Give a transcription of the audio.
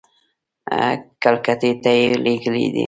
کلکتې ته یې لېږلي دي.